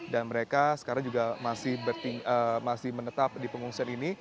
dan mereka sekarang juga masih menetap di pengungsian ini